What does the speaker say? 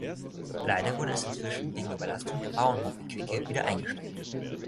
Leider wurde es inzwischen wegen Überlastung der Bauernhof-Equipe wieder eingestellt.